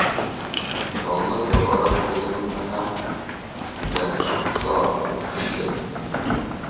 Ялынып-ялбарып һүҙем үтмәһә лә, аҡса бөтәһен дә эшләне.